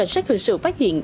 xét hình sự phát hiện